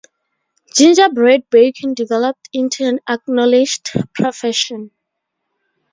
Gingerbread baking developed into an acknowledged profession.